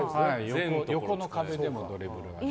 横の壁でもドリブルできる。